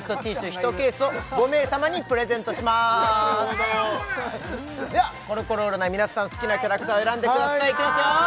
１ケースを５名様にプレゼントしますではコロコロ占い皆さん好きなキャラクターを選んでくださいいきますよ